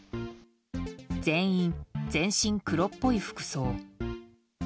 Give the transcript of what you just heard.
全員、全身黒っぽい服装。